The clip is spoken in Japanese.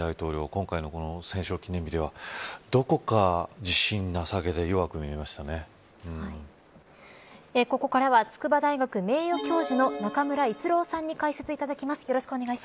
今回の戦勝記念日ではどこか自信なさげでここからは筑波大学名誉教授の中村逸郎さんに解説いただきます。